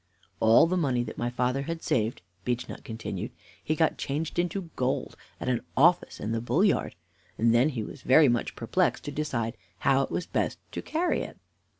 "All the money that my father had saved," Beechnut continued, "he got changed into gold at an office in the Bouleyard; but then he was very much perplexed to decide how it was best to carry it."